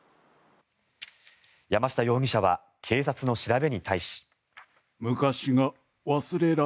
山下容疑者は警察の調べに対し。